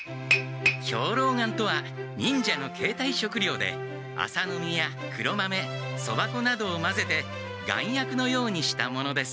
兵糧丸とは忍者のけいたい食料で麻の実や黒豆そば粉などをまぜて丸薬のようにしたものです。